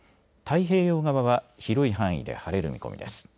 太平洋側は広い範囲で晴れる見込みです。